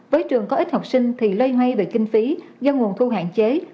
với trường có ít học sinh thì lây hoay về kinh phí do nguồn thu hạn chế